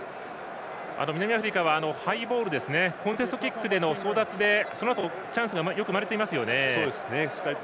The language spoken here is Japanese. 南アフリカはハイボールコンテストキックでの争奪で、そのあとチャンスがよく生まれていますよね。